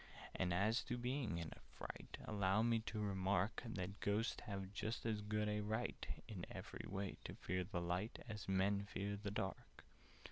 "And as to being in a fright, Allow me to remark That Ghosts have just as good a right In every way, to fear the light, As Men to fear the dark."